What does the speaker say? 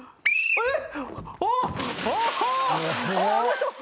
えっ。